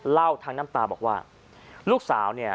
เล่าทั้งน้ำตาบอกว่าลูกสาวเนี่ย